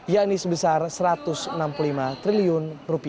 yakni sebesar rp satu ratus enam puluh lima triliun